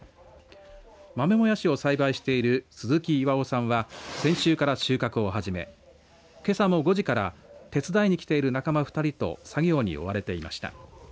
豆もやしを栽培している鈴木巌さんは先週から収穫を始めけさも５時から手伝いに来ている仲間２人と作業に追われていました。